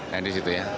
nah di situ ya